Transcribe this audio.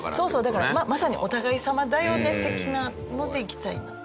だからまさにお互い様だよね的なのでいきたいなと。